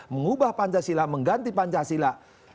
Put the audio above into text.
mengubah pancasila mengganti pancasila